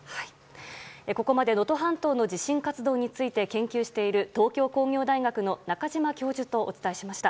ここまで能登半島の地震活動について研究している東京工業大学の中島教授とお伝えしました。